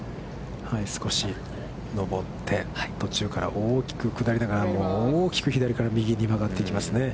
少し上って、途中から大きく下りながら大きく左から右に曲がっていきますね。